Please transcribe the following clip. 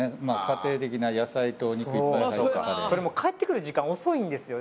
家庭的な野菜とお肉いっぱい入ったカレーそれも帰ってくる時間遅いんですよ